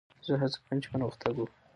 زه هڅه کوم، چي پرمختګ وکړم.